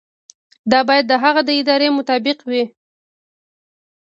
دا باید د هغه د ارادې مطابق وي.